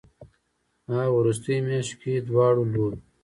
ه وروستيو مياشتو کې دواړو لورو